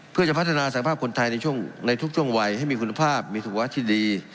เพื่อจะพัฒนาศักดิ์ภาพคนไทยในทุกช่วงไวให้มีคุณภาพมีศักดิ์ภาพที่ดี